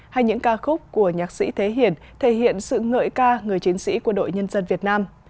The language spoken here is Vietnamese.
hay những ca khúc của nhạc sĩ thế hiển thể hiện sự ngợi ca người chiến sĩ của đội nhân dân việt nam